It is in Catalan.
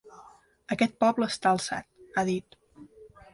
Aquest poble està alçat, ha dit.